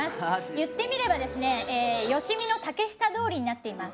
言ってみればですね吉見の竹下通りになっています。